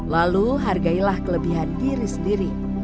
lalu hargailah kelebihan diri sendiri